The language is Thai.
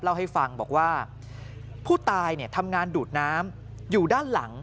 เล่าให้ฟังบอกว่าผู้ตายทำงานดูดน้ำอยู่ด้านหลัง